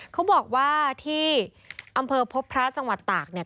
เขาบอกว่าที่อำเภอพบพระจังหวัดตากเนี่ย